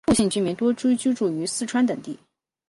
兔姓居民多住于四川等地。